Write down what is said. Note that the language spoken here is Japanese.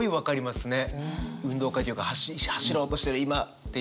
運動会っていうか走ろうとしてる今っていう。